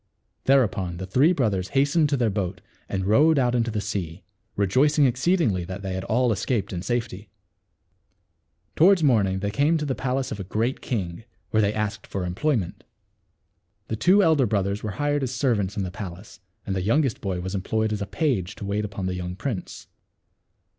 Thereupon the three brothers hastened to their boat, and rowed out into the sea, rejoicing exceedingly that they had all escaped in safety. Towards morning they came to the palace of a great king, where they asked for employment. 242 THE WITCH'S TREASURES. The two elder brothers were hired as servants in the palace, and the youngest boy was employed as a page to wait upon the young prince.